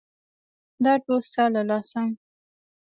_دا ټول ستا له لاسه.